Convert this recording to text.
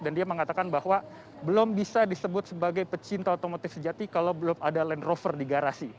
dan dia mengatakan bahwa belum bisa disebut sebagai pecinta otomotif sejati kalau belum ada land rover di garasi